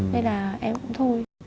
thế là em cũng thôi